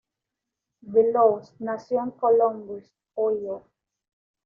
Bellows nació en Columbus, Ohio.